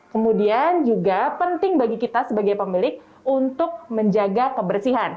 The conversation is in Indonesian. kemudian juga penting bagi kita sebagai pemilik untuk menjaga kebersihan